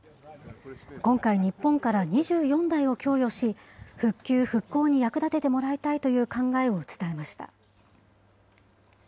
今回、日本から２４台を供与し、復旧・復興に役立ててもらいたいという考えを伝えました。